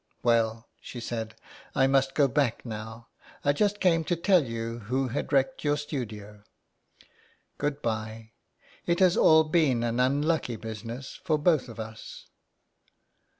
Well," she said, " I must go back now. I just came to tell you who had wrecked your studio. Good bye. It has all been an unlucky busi ness for both of us."